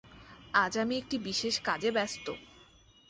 আজ আমি একটা বিশেষ কাজে ব্যস্ত!